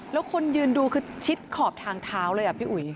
แล้วคนยืนดูคือชิดขอบทางเท้าเลยอ่ะพี่อุ๋ย